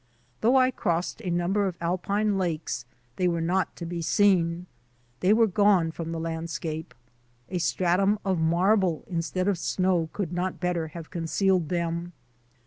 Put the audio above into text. Though I crossed a number of alpine lakes they were not to be seen. They were gone from the landscape. A stratum of marble instead of snow could not better have concealed them.